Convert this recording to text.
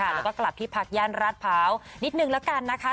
แล้วก็กลับที่พักย่านราดพร้าวนิดนึงแล้วกันนะคะ